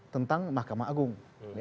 tentang mahkamah agung